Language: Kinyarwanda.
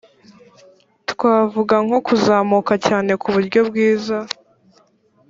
twavuga nko kuzamuka cyane ku buryo bwiza